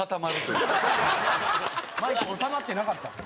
大悟：マイク収まってなかったんですよ。